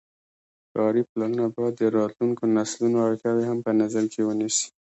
ښاري پلانونه باید د راتلونکو نسلونو اړتیاوې هم په نظر کې ونیسي.